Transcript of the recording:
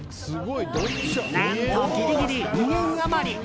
何とギリギリ、２円余り！